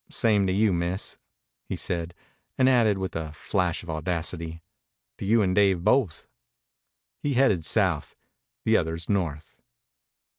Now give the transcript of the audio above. "Same to you, Miss," he said; and added, with a flash of audacity, "To you and Dave both." He headed south, the others north.